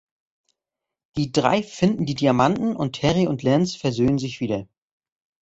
Die drei finden die Diamanten und Harry und Lance versöhnen sich wieder.